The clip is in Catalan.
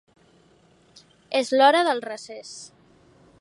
És l'hora del recés.